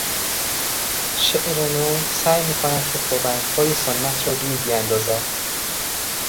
شعر نو سعی میکند که پابندهای سنت را دور بیاندازد.